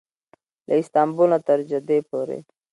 له استانبول نه تر جدې پورې.